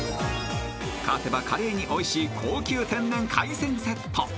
［勝てばカレーにおいしい高級天然海鮮セット］